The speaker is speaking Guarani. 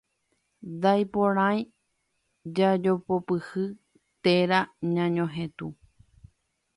Naiporãi jajopopyhy térã ñañohetũ.